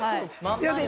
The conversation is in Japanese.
すいません。